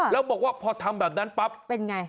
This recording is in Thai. แล้วบอกว่าพอทำแบบนั้นปั๊บเป็นไง